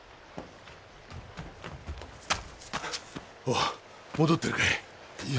ああ戻ってるかい？